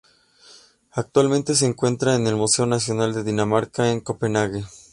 Actualmente se encuentra en el Museo Nacional de Dinamarca, en Copenhague.